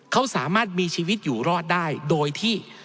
เขาสามารถมีชีวิตอยู่รอดได้โดยที่